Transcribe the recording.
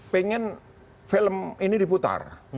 pengen film ini diputar